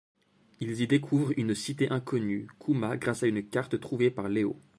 Ils y découvrent une cité inconnue, Kuma grâce à une carte trouvée par Léo.